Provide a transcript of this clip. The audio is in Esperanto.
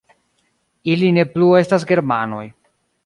Ili ne plu estas germanoj